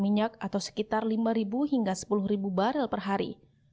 banyak dari lima hingga sepuluh barel per hari